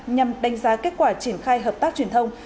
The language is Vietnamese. nhằm đánh giá kết quả triển khai hợp tác truyền thông